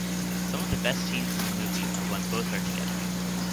Some of the best scenes in the movie are when both are together.